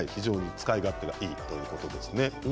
使い勝手がいいということです。